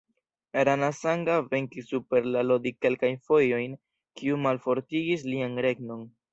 Rana Sanga venkis super la Lodi kelkajn fojojn, kio malfortigis lian regnon.